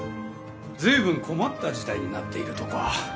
ずいぶん困った事態になっているとか。